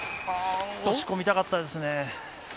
押し込みたかったですね。